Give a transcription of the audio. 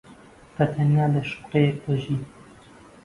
بەتەنیا لە شوقەیەک دەژی.